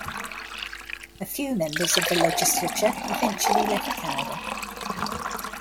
A few members of the Legislature eventually left Canada.